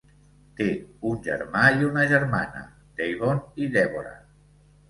Té un germà i una germana, Davon i Deborah.